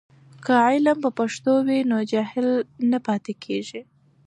که علم په پښتو وي نو جهل نه پاتې کېږي.